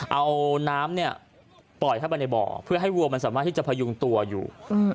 เอาน้ำเนี่ยปล่อยเข้าไปในบ่อเพื่อให้วัวมันสามารถที่จะพยุงตัวอยู่